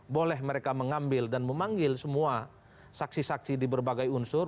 boleh mereka mengambil dan memanggil semua saksi saksi di berbagai unsur